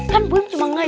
kan wm cuma ngajar